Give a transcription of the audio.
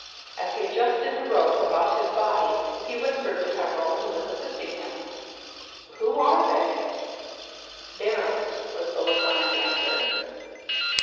As he adjusted the rope about his body, he whispered to Peveril, who was assisting him: "Who are they?" "Darrells," was the laconic answer.